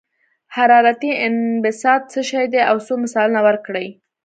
حرارتي انبساط څه شی دی او څو مثالونه ورکړئ.